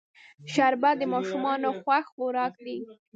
شربت د ماشومانو خوښ خوراک دی